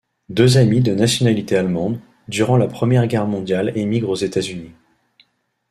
Deux amis de nationalité allemande, durant la Première Guerre mondiale émigrent aux États-Unis.